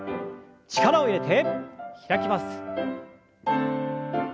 力を入れて開きます。